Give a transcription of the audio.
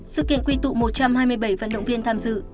sự kiện quy tụ một trăm hai mươi bảy vận động viên tham dự